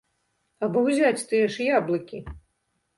Або ўзяць тыя ж яблыкі.